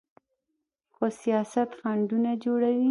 خو سیاست خنډونه جوړوي.